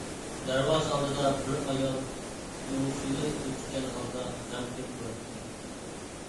دەرۋازا ئالدىدا بىر ئايال ئۆڭسۈلى ئۆچكەن ھالدا غەمكىن تۇراتتى.